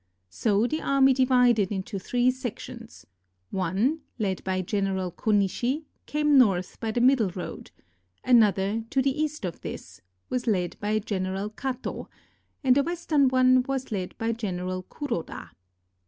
So the army divided into three sections: one, led by General Konishi, came north by the middle road; another, to the east of this, was led by General Kato; and a western one was led by General Kuroda.